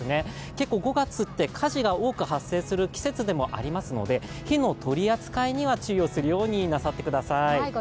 結構５月って火事が多く発生する季節でもありますので火の取扱いには注意をするようになさってください。